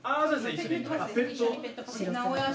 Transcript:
一緒に。